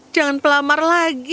jangan pelamar lagi